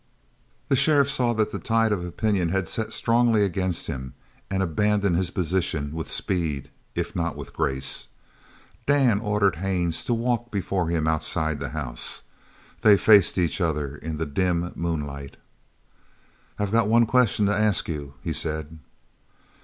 The sheriff saw that the tide of opinion had set strongly against him and abandoned his position with speed if not with grace. Dan ordered Haines to walk before him outside the house. They faced each other in the dim moonlight. "I've got one question to ask you," he said.